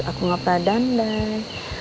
aku ngapain dandan